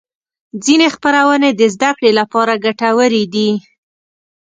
ځینې خپرونې د زدهکړې لپاره ګټورې دي.